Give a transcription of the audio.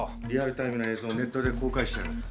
リアルタイムの映像をネットで公開してやがる。